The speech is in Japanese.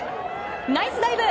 ナイスダイブ！